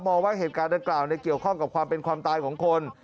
ว่าเหตุการณ์ดังกล่าวเกี่ยวข้องกับความเป็นความตายของคน